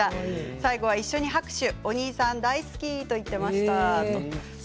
最後は一緒に拍手、お兄さん大好きと言っていました。